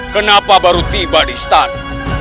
kenapa baru tiba di start